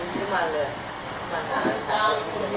สวัสดีครับ